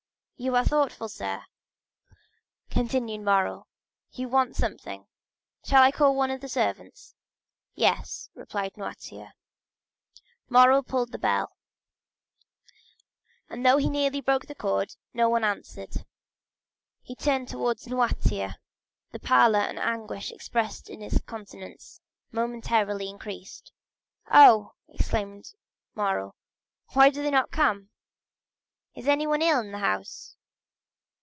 "You are thoughtful, sir," continued Morrel; "you want something; shall I call one of the servants?" "Yes," replied Noirtier. Morrel pulled the bell, but though he nearly broke the cord no one answered. He turned towards Noirtier; the pallor and anguish expressed on his countenance momentarily increased. "Oh," exclaimed Morrel, "why do they not come? Is anyone ill in the house?"